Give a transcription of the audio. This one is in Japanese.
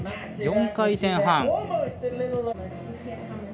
４回転半。